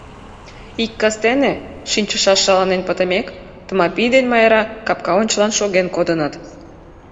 Ик кастене, шинчышаш шаланен пытымек, Тмапий ден Майра капка ончылан шоген кодыныт.